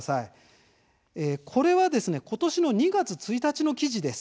これは今年の２月１日の記事です。